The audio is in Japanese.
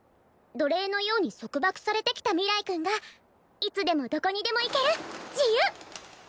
奴隷のように束縛されてきた明日君がいつでもどこにでも行ける自由！